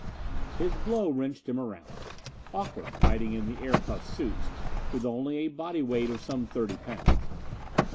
His blow wrenched him around. Awkward, fighting in the air puffed suits, with only a body weight of some thirty pounds!